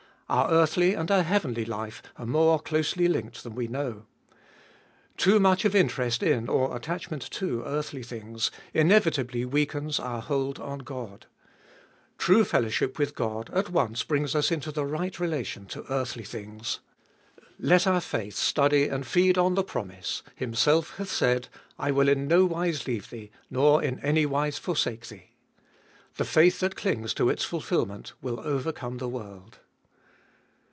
Our earthly and our heavenly life are more closely linked than we know. Too much of interest in or attachment to earthly things inevitably weakens our hold on God. True fellowship with God at once brings us into the right relation to earthly things. Let our faith study and feed on the promise: Himself hath said, I will in no wise leave thee, nor in any wise forsake thee. The faith that clings to its fulfilment will overcome the world.